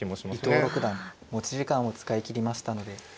伊藤六段持ち時間を使い切りましたので。